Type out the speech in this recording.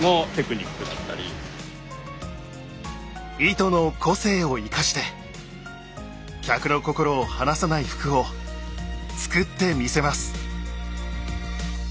糸の個性を生かして客の心を離さない服を作ってみせます。